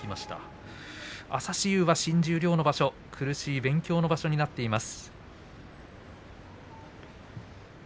朝志雄は新十両の場所苦しい土俵になっています。